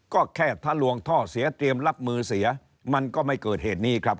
ก็แค่ถ้าลวงท่อเสียเตรียมรับมือเสียมันก็ไม่เกิดเหตุนี้ครับ